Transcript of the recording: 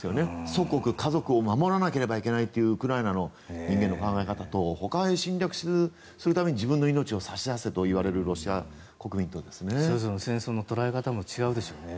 祖国、家族を守らなければいけないというウクライナの人間の考え方とほかへ侵略するために自分の命を差し出せと言われるそれぞれの戦争の捉え方も違うでしょうね